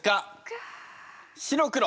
白黒。